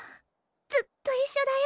ずっと一緒だよ！